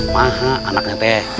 maha anaknya teh